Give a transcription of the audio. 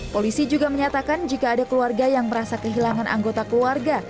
polisi juga menyatakan jika ada keluarga yang merasa kehilangan anggota keluarga